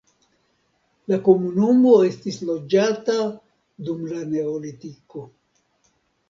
La komunumo estis loĝata dum la neolitiko.